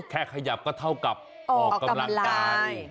ขยับก็เท่ากับออกกำลังกาย